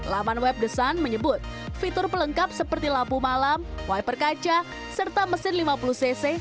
laman web the sun menyebut fitur pelengkap seperti lampu malam wiper kaca serta mesin lima puluh cc